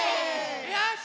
よし！